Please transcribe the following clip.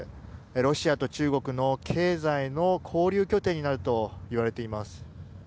ロシアと中国の経済の交流拠点になるといわれています。